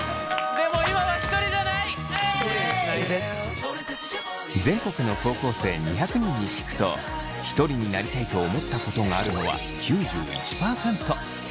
でも全国の高校生２００人に聞くとひとりになりたいと思ったことがあるのは９１％。